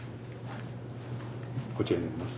こちらになります。